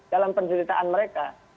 dalam penceritaan mereka